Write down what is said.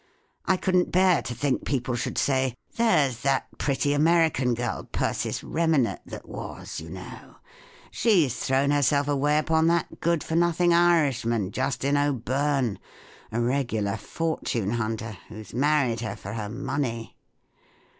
I couldn't bear to think people should say, 'There's that pretty American girl, Persis Remanet that was, you know; she's thrown herself away upon that good for nothing Irishman, Justin O'Byrne, a regular fortune hunter, who's married her for her money.